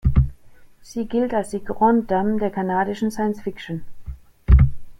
Sie gilt als die "Grande Dame" der kanadischen Science-Fiction.